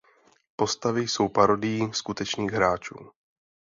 Postavy jsou parodií skutečných hráčů.